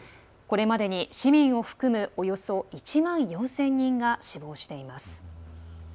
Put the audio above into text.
これまでに市民を含むおよそ１万４０００人が死亡しています。